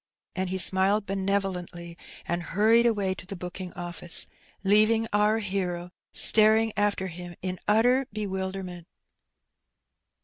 And he smiled benevolently, and hnrried away to the booking office, leaving oar hero staring after him in utter bewilderment.